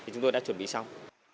chúng tôi đã chuẩn bị xong